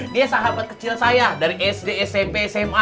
dia sahabat kecil saya dari sd smp sma